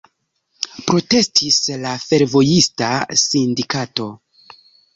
Protestis la fervojista sindikato.